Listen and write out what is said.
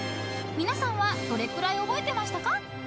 ［皆さんはどれくらい覚えてましたか？］